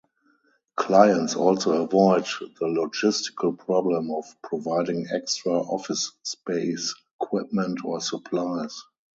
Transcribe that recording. Clients also avoid the logistical problem of providing extra office space, equipment or supplies.